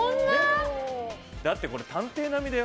だって、これ探偵並みだよ。